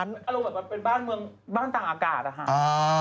อารมณ์แบบมันเป็นบ้านเมืองบ้านต่างอากาศนะคะ